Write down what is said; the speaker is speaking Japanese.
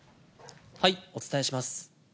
お伝えします。